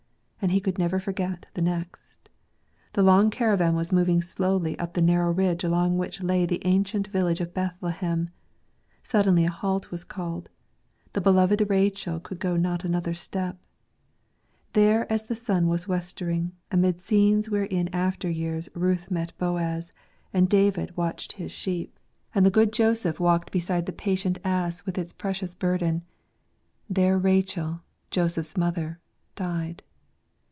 And he could never forget the next. The long caravan was moving slowly up to the narrow ridge along which lay the ancient village of Bethlehem : suddenly a halt was called ; the beloved Rachel could go not another step ; there as the sun was westering, amid scenes where in after years Ruth met Boaz, and David watched his sheep, 12 and the good Joseph walked beside the patient ass with its precious burden — there Rachel, Joseph's mother, died.